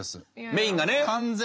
メインがね。